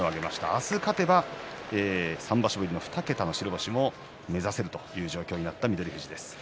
明日、勝てば３場所ぶりの２桁の白星も目指せるという状況になった翠富士です。